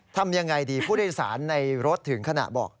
ทำยังไงดีผู้โดยสารในรถถึงขณะบอก